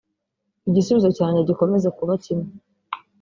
igisubizo cyanjye gikomeza kuba kimwe